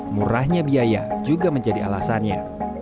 murahnya biaya juga menjadi alasannya